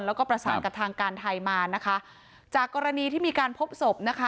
แล้วก็ประสานกับทางการไทยมานะคะจากกรณีที่มีการพบศพนะคะ